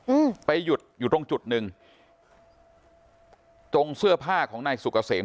อืมไปหยุดอยู่ตรงจุดหนึ่งตรงเสื้อผ้าของนายสุกเกษม